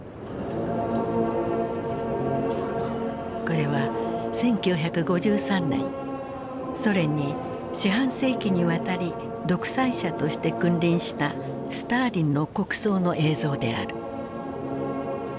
これは１９５３年ソ連に四半世紀にわたり独裁者として君臨したスターリンの国葬の映像である。